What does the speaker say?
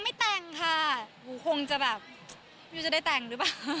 บ๊อกเป็นคนพาการรับผู้ช่วยเพิ่มที่๑คน